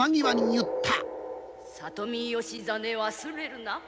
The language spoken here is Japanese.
里見義実忘れるな。